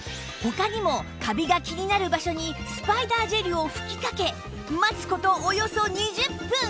他にもカビが気になる場所にスパイダージェルを吹きかけ待つ事およそ２０分